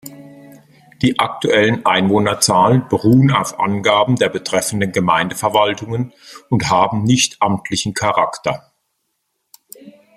Die aktuellen Einwohnerzahlen beruhen auf Angaben der betreffenden Gemeindeverwaltungen und haben nichtamtlichen Charakter.